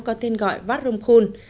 có tên gọi vát rồng khôn